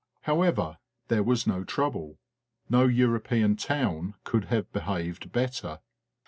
However, there was no trouble. No European town could have behaved better.